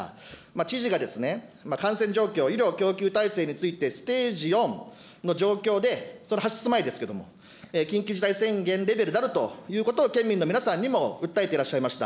知事が感染状況、医療供給体制について、ステージ４の状況で、その発出前ですけれども、緊急事態宣言レベルであると県民の皆さんにも訴えていらっしゃいました。